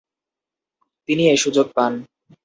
তিনি এ সুযোগ পান।